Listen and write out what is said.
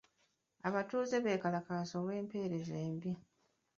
Abatuuze beekalakaasa olw'empeereza embi.